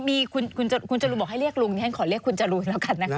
มีคุณจรูนบอกให้เรียกลุงฉันขอเรียกคุณจรูนแล้วกันนะคะ